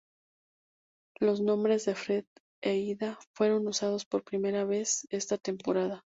Los nombres Fred e Ida fueron usados por primera vez esta temporada.